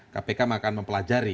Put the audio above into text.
kpk akan mempelajari